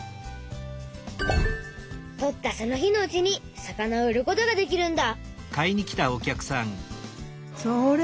とったその日のうちに魚を売ることができるんだ。